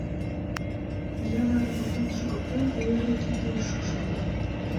Ия наре поген шогалтен да эре киндым шупшыкта.